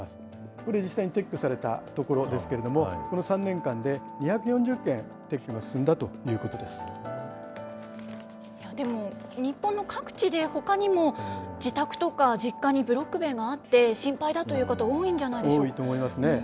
これ、実際に撤去された所ですけれども、この３年間で２４０件、でも、日本の各地でほかにも自宅とか、実家にブロック塀があって心配だという方、多いんじゃ多いと思いますね。